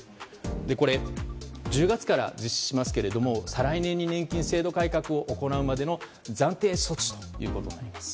これ、１０月から実施しましたが再来年に年金制度改革を行うまでの暫定措置ということになります。